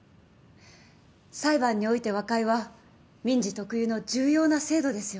裁判において和解は民事特有の重要な制度ですよね？